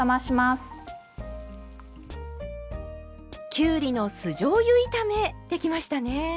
きゅうりの酢じょうゆ炒めできましたね。